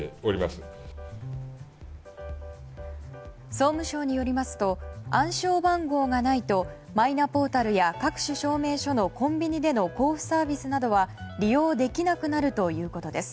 総務省によりますと暗証番号がないとマイナポータルや、各種証明書のコンビニでの交付サービスなどは利用できなくなるということです。